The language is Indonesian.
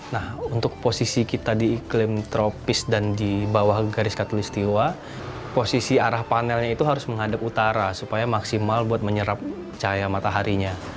nah untuk posisi kita di iklim tropis dan di bawah garis katolistiwa posisi arah panelnya itu harus menghadap utara supaya maksimal buat menyerap cahaya mataharinya